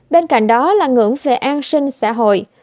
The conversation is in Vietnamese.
bên cạnh đó là ngưỡng về an sinh xã hội